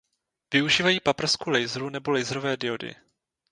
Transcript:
Využívají paprsku laseru nebo laserové diody.